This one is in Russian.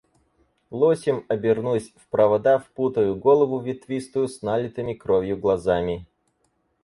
Лосем обернусь, в провода впутаю голову ветвистую с налитыми кровью глазами.